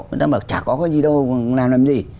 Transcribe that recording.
người ta bảo chả có cái gì đâu làm làm gì